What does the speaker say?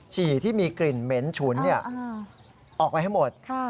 ฉี่ที่มีกลิ่นเหม็นฉุนออกไปให้หมด